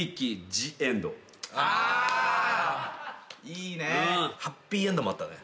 いいね。